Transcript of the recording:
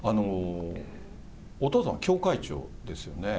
お父さんは教会長ですよね。